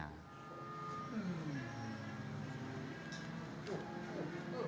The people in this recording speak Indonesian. tidak ada yang mau